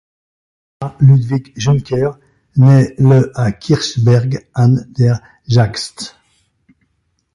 Carl Ludwig Junker naît le à Kirchberg an der Jagst.